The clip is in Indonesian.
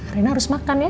rena harus makan ya